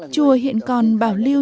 chùa hiện còn bảo lưu